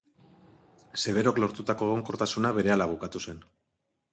Severok lortutako egonkortasuna berehala bukatu zen.